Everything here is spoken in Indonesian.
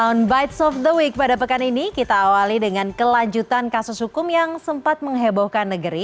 downbites of the week pada pekan ini kita awali dengan kelanjutan kasus hukum yang sempat menghebohkan negeri